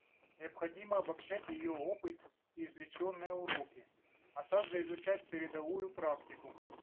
Необходимо обобщать ее опыт и извлеченные уроки, а также изучать передовую практику.